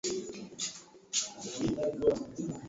kutokana na sababu ya kuhama hama